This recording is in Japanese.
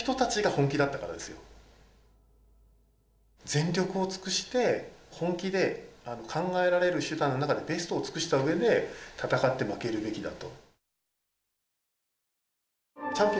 全力を尽くして本気で考えられる手段の中でベストを尽くしたうえで戦って負けるべきだと。